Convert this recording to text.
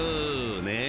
ねえ。